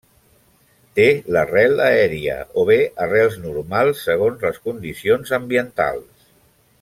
Te l'arrel aèria o bé arrels normals segons les condicions ambientals.